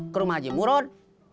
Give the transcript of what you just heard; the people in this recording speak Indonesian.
ke rumah haji murud